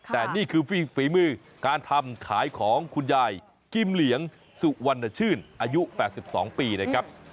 แต่นี่คือฝีมือการทำขายของคุณยายกิมเหลียงสุวรรณชื่นอายุ๘๒ปีนะครับ